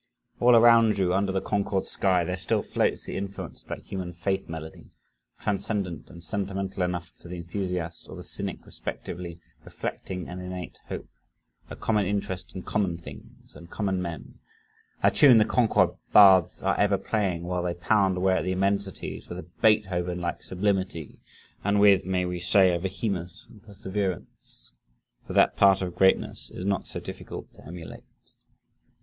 All around you, under the Concord sky, there still floats the influence of that human faith melody, transcendent and sentimental enough for the enthusiast or the cynic respectively, reflecting an innate hope a common interest in common things and common men a tune the Concord bards are ever playing, while they pound away at the immensities with a Beethovenlike sublimity, and with, may we say, a vehemence and perseverance for that part of greatness is not so difficult to emulate.